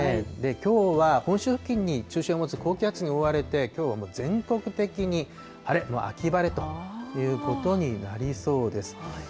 きょうは本州付近中心を持つ高気圧に覆われて、きょうは全国的に晴れ、秋晴れということになりそうです。